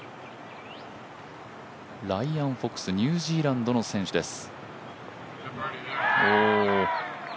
ライアン・フォックス、ニュージーランドの選手です。